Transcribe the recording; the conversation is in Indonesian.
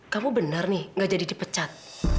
kamu benar nih gak jadi dipecat